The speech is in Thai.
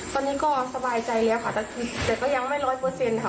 ตอนนี้ก็สบายใจแล้วค่ะแต่ก็ยังไม่ร้อยเปอร์เซ็นต์ค่ะ